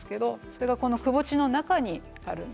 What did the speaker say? それがこのくぼ地の中にあるんですね。